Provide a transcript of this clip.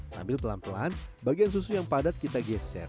sambil pelan pelan bagian susu yang padat kita geser